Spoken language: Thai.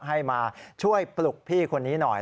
ให้มาช่วยปลุกพี่คนนี้หน่อย